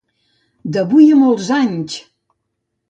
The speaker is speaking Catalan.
D'avui a molts anys!